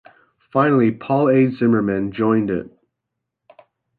Finally, Paul A. Zimmerman joined it.